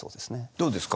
どうですか？